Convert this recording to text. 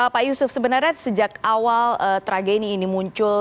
pak yusuf sebenarnya sejak awal tragedi ini muncul